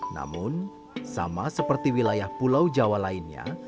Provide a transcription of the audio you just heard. namun sama seperti wilayah pulau jawa lainnya